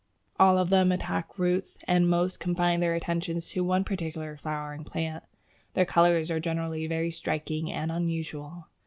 All of them attack roots, and most confine their attentions to one particular flowering plant. Their colours are generally very striking and unusual.